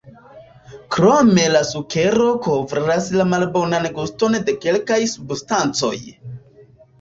Krome la sukero kovras la malbonan guston de kelkaj substancoj.